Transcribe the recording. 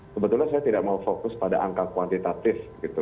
sebetulnya saya tidak mau fokus pada angka kuantitatif gitu